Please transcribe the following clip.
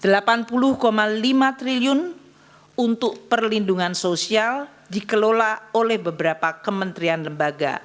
rp delapan puluh lima triliun untuk perlindungan sosial dikelola oleh beberapa kementerian lembaga